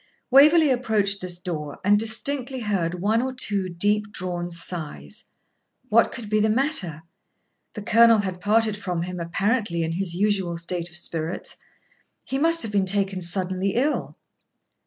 Waverley approached this door and distinctly heard one or two deep drawn sighs. What could be the matter? The Colonel had parted from him apparently in his usual state of spirits. He must have been taken suddenly ill.